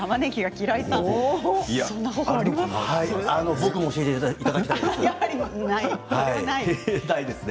僕も教えていただきたいですね。